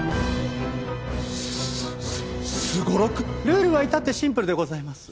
ルールは至ってシンプルでございます。